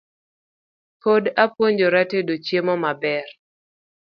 Pod apuonjora tedo chiemo maber